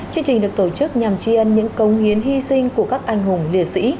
chương trình được tổ chức nhằm tri ân những công hiến hy sinh của các anh hùng liệt sĩ